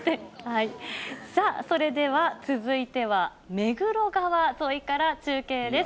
それでは、続いては目黒川沿いから中継です。